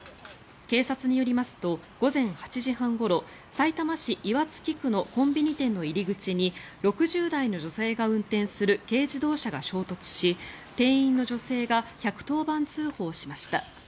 警察によりますと午前８時半ごろさいたま市岩槻区のコンビニ店の入り口に６０代の女性が運転する軽自動車が衝突し店員の女性が１１０番通報しました。